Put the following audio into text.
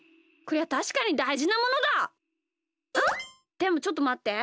でもちょっとまって。